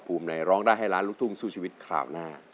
โทษใจโทษใจโทษใจโทษใจโทษใจโทษใจโทษใจโทษใจโทษใจ